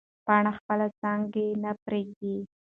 پاڼه خپله څانګه نه پرېږدي.